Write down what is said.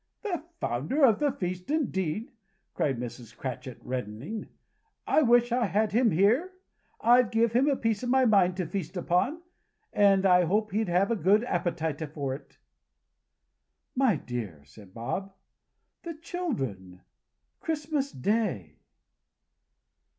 "The Founder of the Feast indeed!" cried Mrs. Cratchit, reddening. "I wish I had him here. I'd give him a piece of my mind to feast upon, and I hope he'd have a good appetite for it." "My dear," said Bob, "the children! Christmas day."